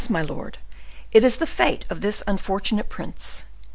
my lord, it is the fate of this unfortunate prince.